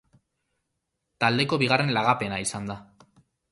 Taldeko bigarren lagapena izan da.